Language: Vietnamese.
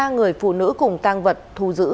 ba người phụ nữ cùng tang vật thu giữ